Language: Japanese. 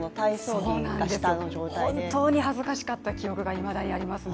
そうなんですよ、本当に恥ずかしかった記憶がいまだにありますね。